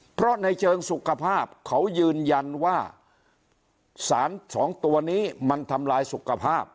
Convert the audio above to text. เพราะในเชิงสุขภาพเขายืนยันว่าสารสองตัวนี้มันทำลายสุขภาพ